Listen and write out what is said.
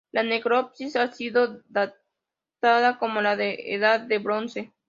La necrópolis ha sido datada como de la Edad de Bronce.